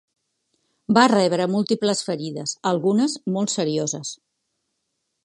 Va rebre múltiples ferides, algunes molt serioses.